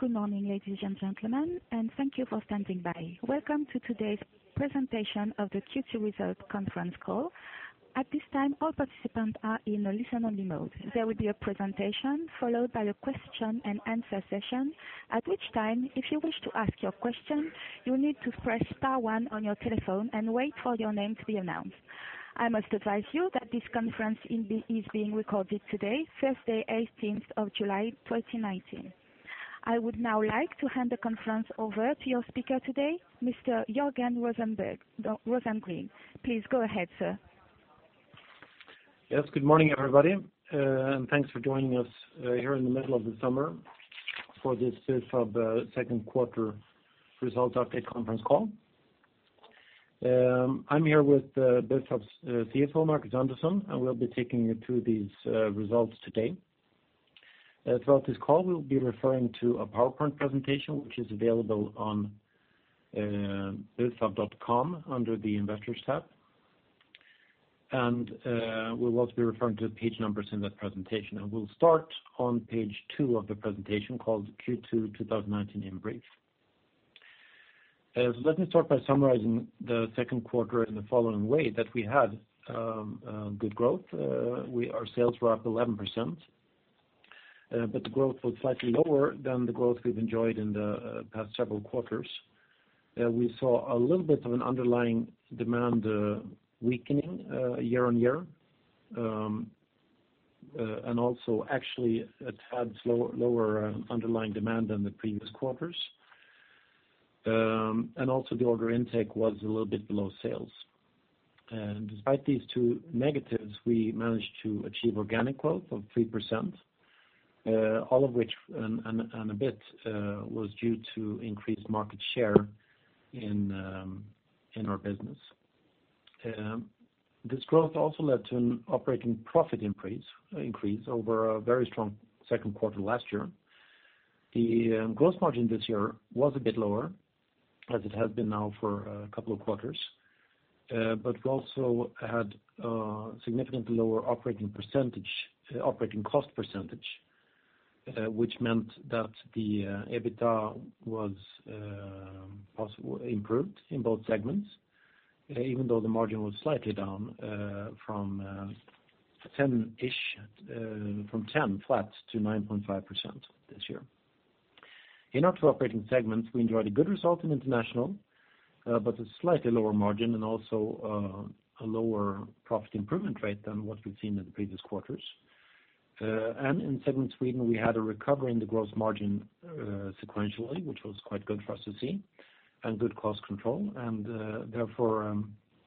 Good morning, ladies and gentlemen, and thank you for standing by. Welcome to today's presentation of the Q2 Result Conference Call. At this time, all participants are in a listen-only mode. There will be a presentation followed by a question-and-answer session, at which time, if you wish to ask your question, you need to press star one on your telephone and wait for your name to be announced. I must advise you that this conference is being recorded today, Thursday, 18th of July, 2019. I would now like to hand the conference over to your speaker today, Mr. Jörgen Rosengren. Please go ahead, sir. Yes, good morning, everybody, and thanks for joining us here in the middle of the summer for this Bufab second quarter results update conference call. I'm here with Bufab's CFO, Marcus Andersson, and we'll be taking you through these results today. Throughout this call, we'll be referring to a PowerPoint presentation, which is available on bufab.com under the Investors tab. And we'll also be referring to page numbers in that presentation, and we'll start on page two of the presentation called Q2 2019 In Brief. So let me start by summarizing the second quarter in the following way, that we had good growth. Our sales were up 11%, but the growth was slightly lower than the growth we've enjoyed in the past several quarters. We saw a little bit of an underlying demand weakening year-on-year. And also actually a tad lower underlying demand than the previous quarters. And also the order intake was a little bit below sales. And despite these two negatives, we managed to achieve organic growth of 3%, all of which and a bit was due to increased market share in our business. This growth also led to an operating profit increase over a very strong second quarter last year. The gross margin this year was a bit lower, as it has been now for a couple of quarters, but we also had significantly lower operating cost percentage, which meant that the EBITDA was possibly improved in both segments, even though the margin was slightly down from 10-ish from 10 flat to 9.5% this year. In our two operating segments, we enjoyed a good result in International, but a slightly lower margin and also a lower profit improvement rate than what we've seen in the previous quarters. And in segment Sweden, we had a recovery in the gross margin sequentially, which was quite good for us to see, and good cost control. Therefore,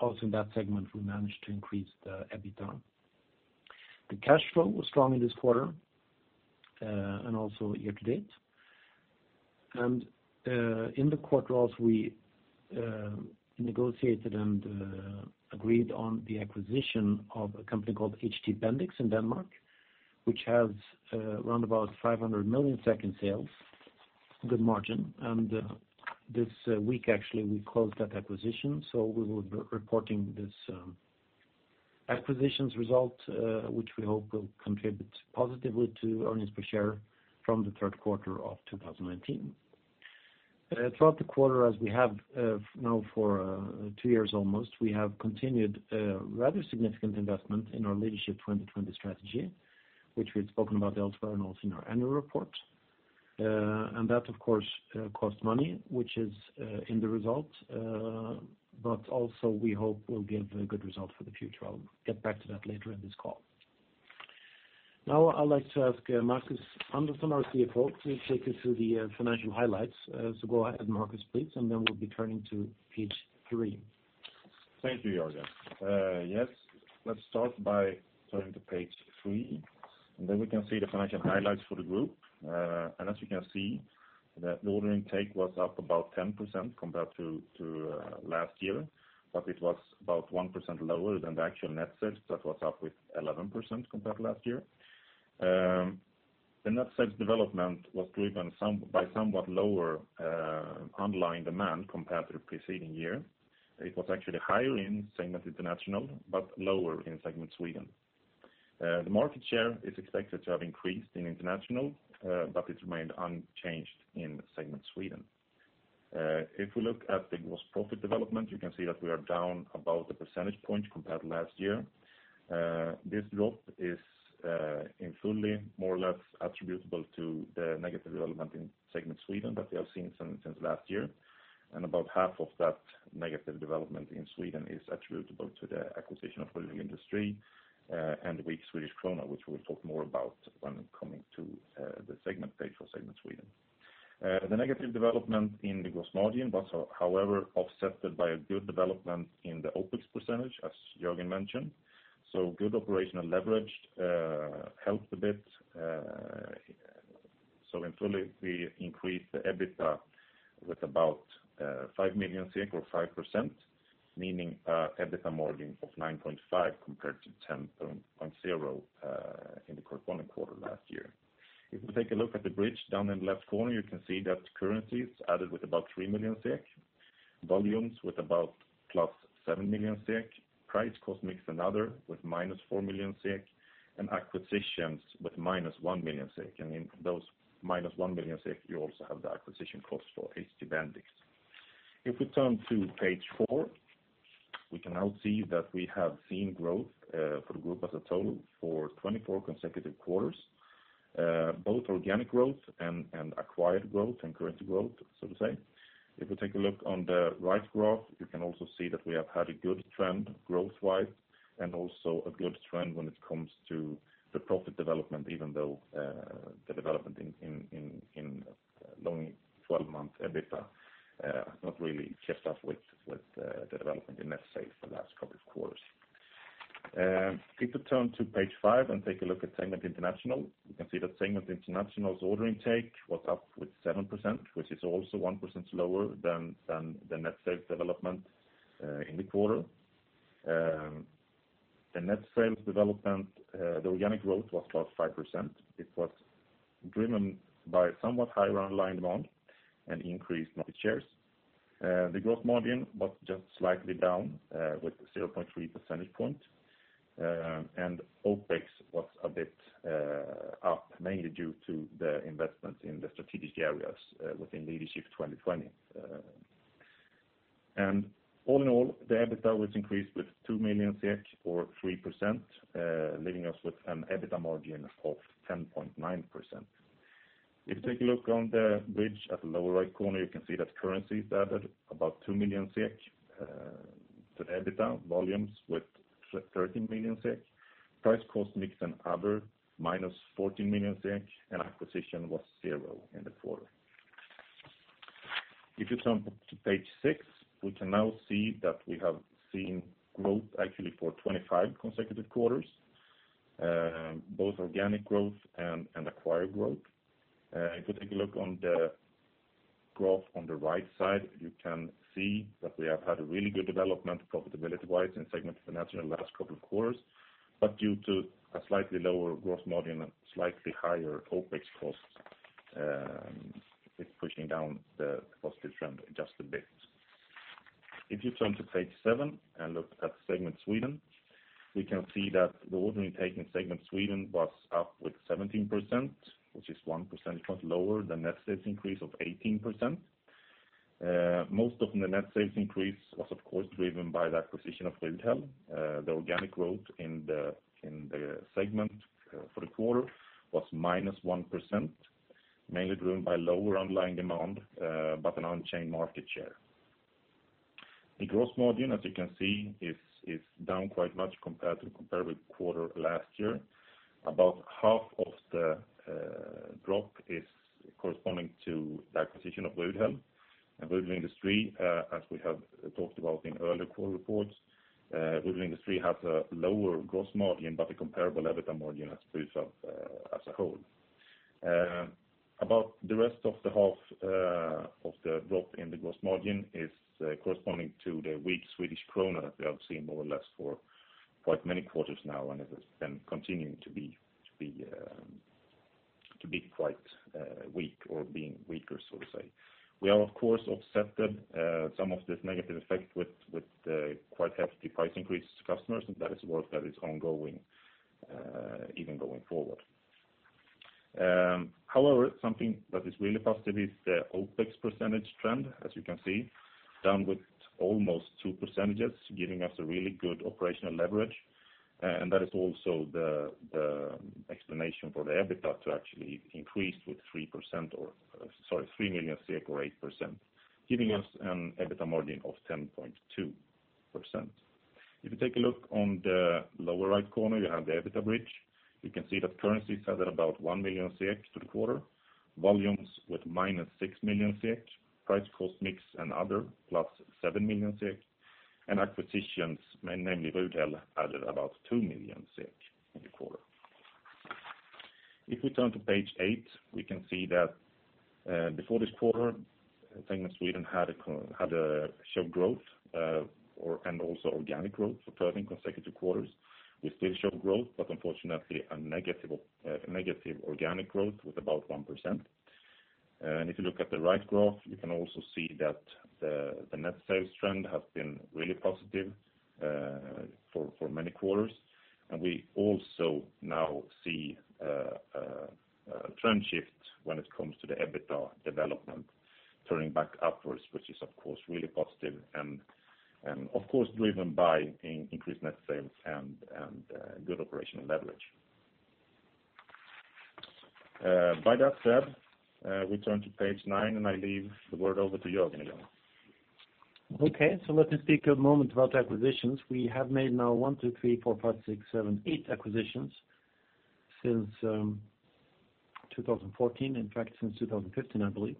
also in that segment, we managed to increase the EBITDA. The cash flow was strong in this quarter, and also year-to-date. In the quarter, also, we negotiated and agreed on the acquisition of a company called HT Bendix in Denmark, which has around about 500 million sales, good margin. This week, actually, we closed that acquisition, so we will be reporting this acquisition's result, which we hope will contribute positively to earnings per share from the third quarter of 2019. Throughout the quarter, as we have now for two years almost, we have continued a rather significant investment in our Leadership 2020 strategy, which we've spoken about elsewhere and also in our annual report. And that, of course, costs money, which is in the result, but also we hope will give a good result for the future. I'll get back to that later in this call. Now, I'd like to ask Marcus Andersson, our CFO, to take us through the financial highlights. So go ahead, Marcus, please, and then we'll be turning to page three. Thank you, Jörgen. Yes, let's start by turning to page 3, and then we can see the financial highlights for the group. And as you can see, the order intake was up about 10% compared to last year, but it was about 1% lower than the actual net sales. That was up with 11% compared to last year. The net sales development was driven some by somewhat lower underlying demand compared to the preceding year. It was actually higher in segment International, but lower in segment Sweden. The market share is expected to have increased in International, but it remained unchanged in segment Sweden. If we look at the gross profit development, you can see that we are down about a percentage point compared to last year. This drop is in full more or less attributable to the negative development in segment Sweden that we have seen since last year, and about half of that negative development in Sweden is attributable to the acquisition of Rudhäll Industri and the weak Swedish krona, which we'll talk more about when coming to the segment page for segment Sweden. The negative development in the gross margin was, however, offset by a good development in the OpEx percentage, as Jörgen mentioned. So good operational leverage helped a bit. So in full, we increased the EBITDA with about 5 million SEK or 5%, meaning an EBITDA margin of 9.5% compared to 10.0% in the corresponding quarter last year. If we take a look at the bridge down in the left corner, you can see that currencies added with about 3 million SEK, volumes with about +7 million SEK, price cost mix another with -4 million SEK, and acquisitions with -1 million SEK. And in those -1 million SEK, you also have the acquisition cost for HT Bendix. If we turn to page 4, we can now see that we have seen growth for the group as a total for 24 consecutive quarters. Both organic growth and acquired growth and currency growth, so to say. If you take a look on the right graph, you can also see that we have had a good trend growth-wise, and also a good trend when it comes to the profit development, even though the development in the long 12-month EBITDA not really kept up with the development in net sales for the last couple of quarters. If you turn to page two and take a look at Segment International, you can see that Segment International's order intake was up 7%, which is also 1% lower than the net sales development in the quarter. The net sales development, the organic growth was +5%. It was driven by somewhat higher underlying demand and increased market shares. The growth margin was just slightly down with 0.3 percentage point. And OpEx was a bit up, mainly due to the investment in the strategic areas within Leadership 2020. And all in all, the EBITDA was increased with 2 million SEK or 3%, leaving us with an EBITDA margin of 10.9%. If you take a look on the bridge at the lower right corner, you can see that currencies added about 2 million SEK to the EBITDA, volumes with 13 million SEK, price cost mix and other -14 million SEK, and acquisition was zero in the quarter. If you turn to page six, we can now see that we have seen growth actually for 25 consecutive quarters, both organic growth and acquired growth. If you take a look on the graph on the right side, you can see that we have had a really good development profitability-wise in Segment International in the last couple of quarters, but due to a slightly lower growth margin and slightly higher OpEx costs, it's pushing down the positive trend just a bit. If you turn to page seven and look at segment Sweden, we can see that the order intake in segment Sweden was up 17%, which is one percentage point lower than net sales increase of 18%. Most of the net sales increase was, of course, driven by the acquisition of Rudhäll. The organic growth in the segment for the quarter was -1%, mainly driven by lower underlying demand, but an unchanged market share. The growth margin, as you can see, is down quite much compared to comparable quarter last year. About half of the drop is corresponding to the acquisition of Rudhäll. Rudhäll Industri, as we have talked about in earlier quarter reports, Rudhäll Industri has a lower gross margin, but a comparable EBITDA margin as Bufab, as a whole. About the rest of the half of the drop in the gross margin is corresponding to the weak Swedish krona that we have seen more or less for quite many quarters now, and it has been continuing to be quite weak or being weaker, so to say. We are, of course, accepted some of this negative effect with the quite hefty price increase to customers, and that is work that is ongoing, even going forward. However, something that is really positive is the OpEx percentage trend, as you can see, down with almost 2%, giving us a really good operational leverage. And that is also the explanation for the EBITDA to actually increase with 3% or, sorry, 3 million or 8%, giving us an EBITDA margin of 10.2%. If you take a look on the lower right corner, you have the EBITDA bridge. You can see that currencies are at about 1 million to the quarter, volumes with -6 million, price cost mix and other, +7 million, and acquisitions, mainly Rudhäll, added about 2 million in the quarter. If we turn to page eight, we can see that, before this quarter, Segment Sweden had shown growth and also organic growth for 13 consecutive quarters. We still show growth, but unfortunately, a negative organic growth with about 1%. If you look at the right graph, you can also see that the net sales trend has been really positive for many quarters. We also now see a trend shift when it comes to the EBITDA development turning back upwards, which is, of course, really positive and, of course, driven by increased net sales and good operational leverage. With that said, we turn to page 9, and I hand the word over to Jörgen again. Okay, let me speak a moment about acquisitions. We have made now one, two, three, four, five, six, seven, eight aquisitions since 2014, in fact, since 2015, I believe.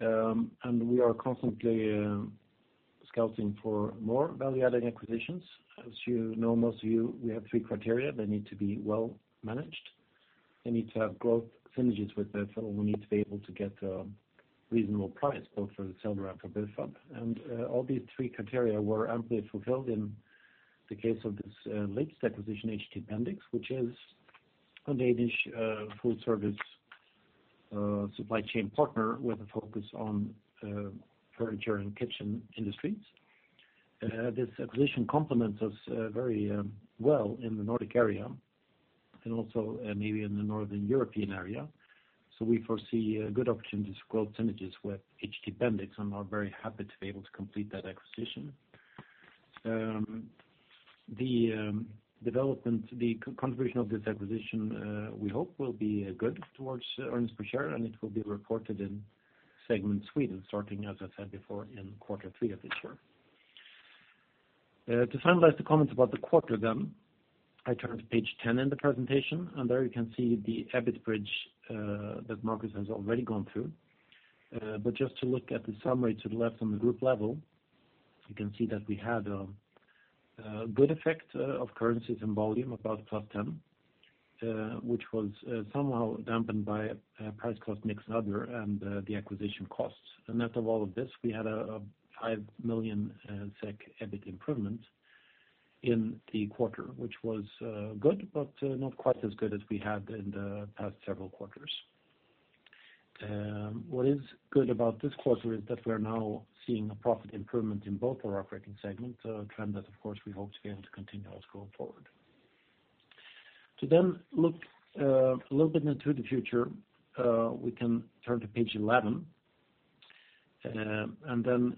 And we are constantly scouting for more value-adding acquisitions. As you know, most of you, we have three criteria: they need to be well managed, they need to have growth synergies with Bufab, we need to be able to get a reasonable price, both for the seller and for Bufab. All these three criteria were amply fulfilled in the case of this latest acquisition, HT Bendix, which is a Danish supply chain partner with a focus on furniture and kitchen industries. This acquisition complements us very well in the Nordic area and also maybe in the Northern European area. So we foresee a good opportunity to synergize with HT Bendix, and are very happy to be able to complete that acquisition. The development, the contribution of this acquisition, we hope will be good towards earnings per share, and it will be reported in segment Sweden, starting, as I said before, in quarter three of this year. To finalize the comments about the quarter then, I turn to page 10 in the presentation, and there you can see the EBIT bridge that Marcus has already gone through. But just to look at the summary to the left on the group level, you can see that we had a good effect of currencies and volume, about +10, which was somehow dampened by price cost mix and other, and the acquisition costs. The net of all of this, we had a 5 million SEK EBIT improvement in the quarter, which was good, but not quite as good as we had in the past several quarters. What is good about this quarter is that we're now seeing a profit improvement in both our operating segments, a trend that, of course, we hope to be able to continue as going forward. To then look a little bit into the future, we can turn to page 11. And then,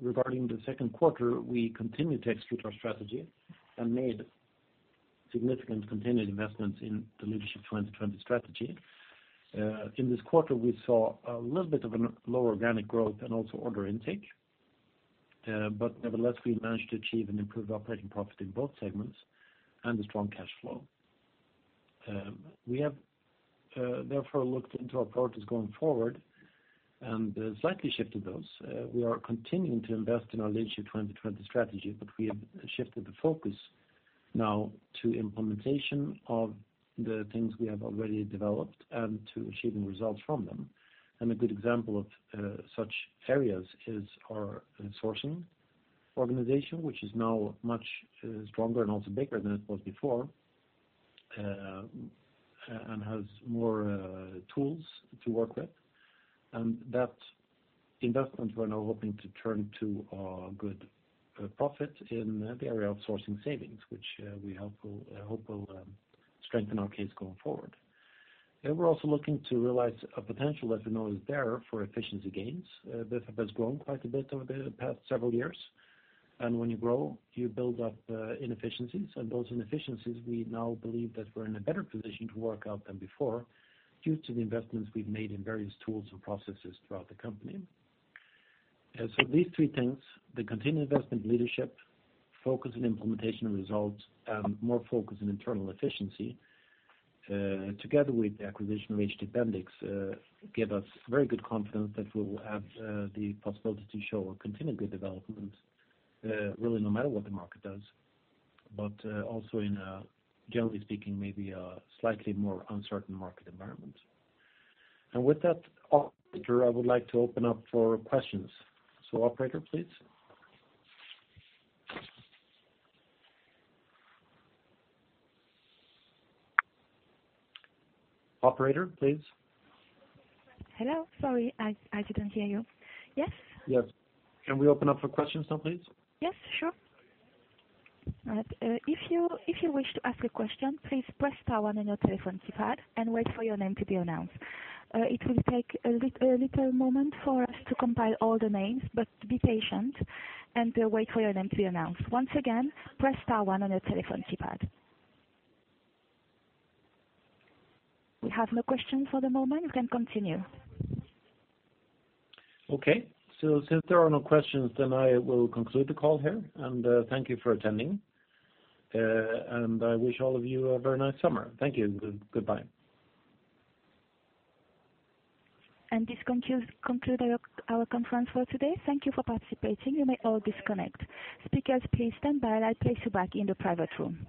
regarding the second quarter, we continued to execute our strategy and made significant continued investments in the Leadership 2020 strategy. In this quarter, we saw a little bit of a low organic growth and also order intake. Nevertheless, we managed to achieve an improved operating profit in both segments and a strong cash flow. We have therefore looked into our priorities going forward and slightly shifted those. We are continuing to invest in our Leadership 2020 strategy, but we have shifted the focus now to implementation of the things we have already developed and to achieving results from them. A good example of such areas is our sourcing organization, which is now much stronger and also bigger than it was before and has more tools to work with. That investment, we're now hoping to turn to a good profit in the area of sourcing savings, which we hope will strengthen our case going forward. We're also looking to realize a potential that we know is there for efficiency gains that has grown quite a bit over the past several years. And when you grow, you build up inefficiencies, and those inefficiencies, we now believe that we're in a better position to work out than before, due to the investments we've made in various tools and processes throughout the company. So these three things, the continued investment in leadership, focus on implementation and results, and more focus on internal efficiency, together with the acquisition of HT Bendix, give us very good confidence that we will have the possibility to show a continued good development, really, no matter what the market does, but also in a, generally speaking, maybe a slightly more uncertain market environment. And with that, operator, I would like to open up for questions. So, Operator, please? Operator, please. Hello, sorry, I didn't hear you. Yes? Yes. Can we open up for questions now, please? Yes, sure. All right, if you wish to ask a question, please press star one on your telephone keypad and wait for your name to be announced. It will take a little moment for us to compile all the names, but be patient and wait for your name to be announced. Once again, press star one on your telephone keypad. We have no questions for the moment. You can continue. Okay, so since there are no questions, then I will conclude the call here, and thank you for attending. I wish all of you a very nice summer. Thank you, and goodbye. This concludes our conference for today. Thank you for participating. You may all disconnect. Speakers, please stand by, and I'll place you back in the private room.